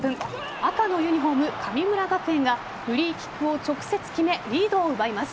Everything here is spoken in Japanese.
赤のユニホーム・神村学園がフリーキックを直接決めリードを奪います。